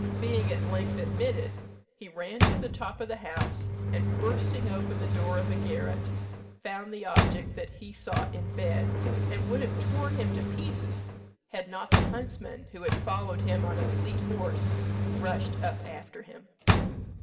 Being at length admitted, he ran to the top of the house, and, bursting open the door of a garret, found the object that he sought in bed, and would have torn him to pieces, had not the huntsman, who had followed him on a fleet horse, rushed up after him.